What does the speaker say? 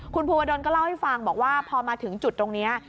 คุณภูวดลก็เล่าให้ฟังบอกว่าพอมาถึงจุดตรงนี้